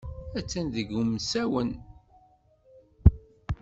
Attan deg umsawen.